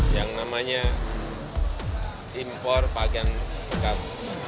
yang namanya impor pakaian bekas